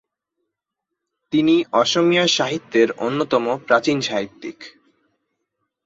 তিনি অসমীয়া সাহিত্যের অন্যতম প্রাচীন সাহিত্যিক।